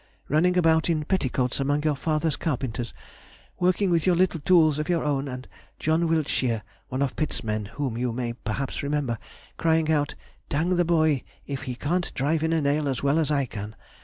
running about in petticoats among your father's carpenters, working with little tools of your own, and John Wiltshire (one of Pitt's men, whom you may perhaps remember), crying out, "Dang the boy, if he can't drive in a nail as well as I can!"